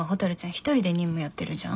一人で任務やってるじゃん。